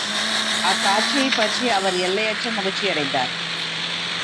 அக்காட்சியைப்பார்த்து அவர் எல்லையற்ற மகிழ்ச்சியடைந்தார்.